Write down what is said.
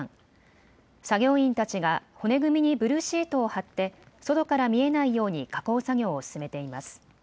作業員たちが骨組みにブルーシートを張って外から見えないように囲う作業を進めています。